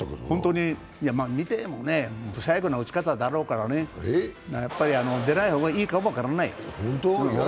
見てもね、ブサイクな打ち方だろうからね、やっぱり出ない方がいいかもわからない。